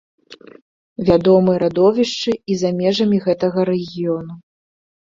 Вядомы радовішчы і за межамі гэтага рэгіёну.